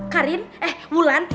karin eh wulan